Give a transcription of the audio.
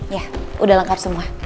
ya udah lengkap semua